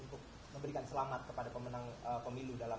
untuk memberikan selamat kepada pemilu dalam penetapan kpu semalam